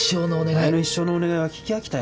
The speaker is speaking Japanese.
お前の「一生のお願い」は聞き飽きたよ。